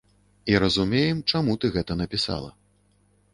І разумеем, чаму ты гэта напісала.